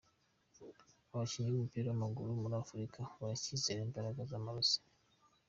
Abakinnyi b’umupira w’amaguru muri Afurika baracyizera imbaraga z’amarozi.